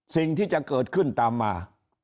สิ่งที่จะเกิดขึ้นตามมา